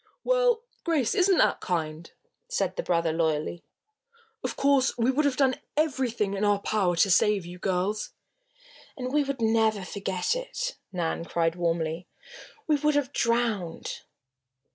"Well! Grace isn't that kind," said the brother, loyally. "Of course, we would have done everything in our power to save you girls." "And we will never forget it!" Nan cried warmly. "We would have drowned."